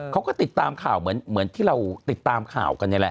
เขาก็ติดตามข่าวเหมือนที่เราติดตามข่าวกันนี่แหละ